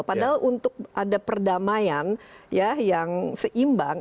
padahal untuk ada perdamaian yang seimbang